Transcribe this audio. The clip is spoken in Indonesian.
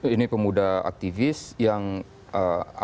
ini pemuda aktivis yang ada